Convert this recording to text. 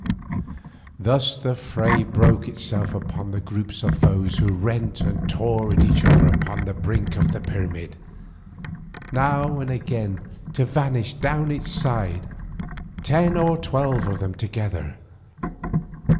Thus the fray broke itself up into groups of foes who rent and tore at each other upon the brink of the pyramid, now and again to vanish down its side, ten or twelve of them together.